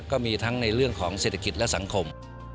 ก็มีทั้งในเรื่องของเศรษฐกิจและสังคม